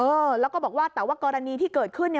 เออแล้วก็บอกว่าแต่ว่ากรณีที่เกิดขึ้นเนี่ย